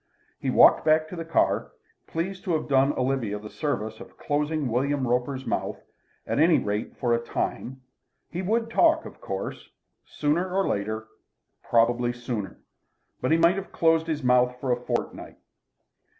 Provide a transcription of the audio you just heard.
He walked back to the car, pleased to have done Olivia the service of closing William Roper's mouth, at any rate for a time. He would talk, of course, sooner or later, probably sooner. But he might have closed his mouth for a fortnight.